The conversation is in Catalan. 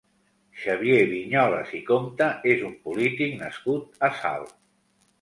Xavier Vinyoles i Compta és un polític nascut a Salt.